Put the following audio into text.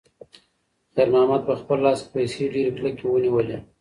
خیر محمد په خپل لاس کې پیسې ډېرې کلکې ونیولې.